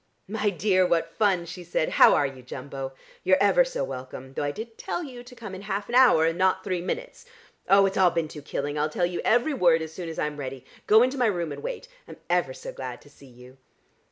"My dear, what fun!" she said. "How are you, Jumbo? You're ever so welcome, though I did tell you to come in half an hour and not three minutes. Oh, it's all been too killing! I'll tell you every word as soon as I'm ready. Go into my room, and wait. I'm ever so glad to see you."